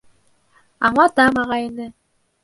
— Аңлатам, ағай-эне.